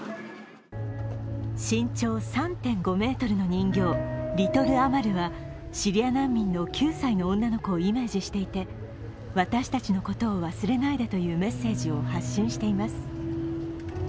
身長３．５ｍの人形リトル・アマルはシリア難民の９歳の女の子をイメージしていて私たちのことを忘れないでというメッセージを発信しています。